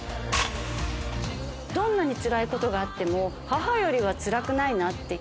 どんなにつらいことがあっても母よりはつらくないなって。